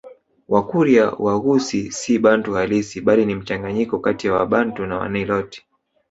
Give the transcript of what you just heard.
Wakurya Waghusii si Bantu halisi bali ni mchanganyiko kati ya Wabantu na Waniloti